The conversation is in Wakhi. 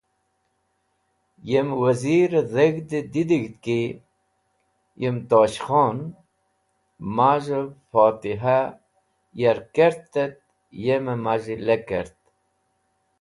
Yem Wazir-e dheg̃hd didig̃hd ki kay yem Tosh Khon, maz̃hev fotihah ya’r kert et yem maz̃hi lekert.